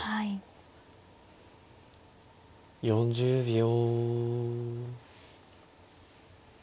４０秒。